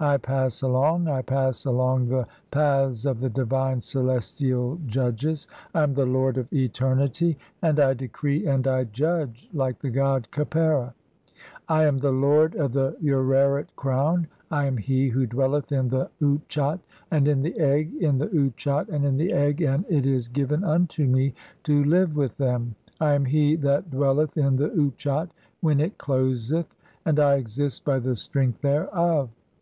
I pass along, I pass along "the paths of the divine celestial judges. (14) I am the lord of "eternitv, and I decree and I judge like the god Khepera. I am "the lord of the Ureret crown. I am he who dwelleth in the u Utchat [and in the Egg, in the Utchat and in the Egg, and "it is given unto me to live [with] them. I am he that dwell "eth in the Utchat when it closeth, and I exist by the strength "thereof.